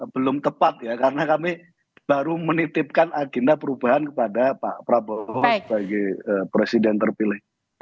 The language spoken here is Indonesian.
belum tepat ya karena kami baru menitipkan agenda perubahan kepada pak prabowo sebagai presiden terpilih